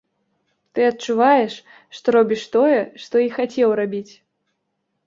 Ты адчуваеш, што робіш тое, што і хацеў рабіць.